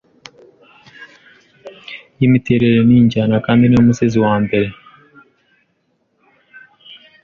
yimiterere ninjyana kandi niwe musizi wambere